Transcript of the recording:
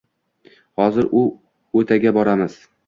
Hozir u-utaga boramiz.